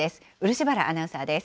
漆原アナウンサーです。